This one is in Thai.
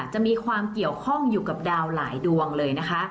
จะมีความเกี่ยวข้องอยู่กับดาวหลายดวงเลยนะคะ